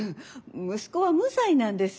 息子は無罪なんです。